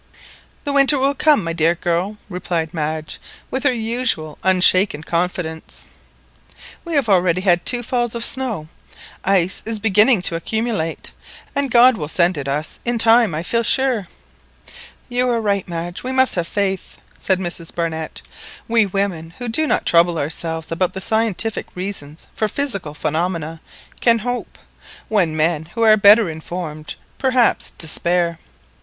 "The winter will come, my dear girl," replied Madge with her usual unshaken confidence. "We have already had two falls of snow. Ice is [begininng] beginning to accumulate, and God will send it us in time, I feel sure." "You are right. Madge, we must have faith!" said Mrs Barnett. "We women who do not trouble ourselves about the scientific reasons for physical phenomena can hope, when men who are better informed, perhaps, despair.